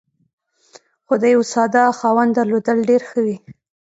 خو د یوه ساده خاوند درلودل ډېر ښه وي.